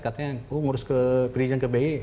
katanya oh ngurus perizinan ke bi